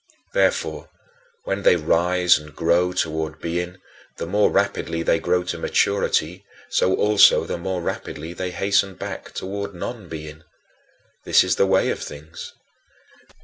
Therefore, when they rise and grow toward being, the more rapidly they grow to maturity, so also the more rapidly they hasten back toward nonbeing. This is the way of things.